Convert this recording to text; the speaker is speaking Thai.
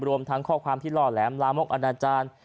รวมทั้งข้อความที่ล่อแหลมลามกอนาจารย์